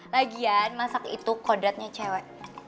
lagian masak itu kodratnya cewek